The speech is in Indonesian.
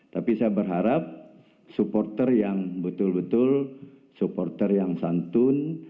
tapi saya berharap supporter yang betul betul supporter yang santun